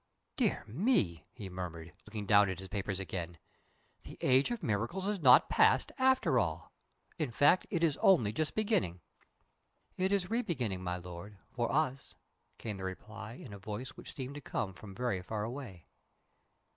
"Dear me!" he murmured, looking down at his papers again, "the age of miracles is not past, after all in fact, it is only just beginning." "It is re beginning, my Lord for us," came the reply, in a voice which seemed to come from very far away.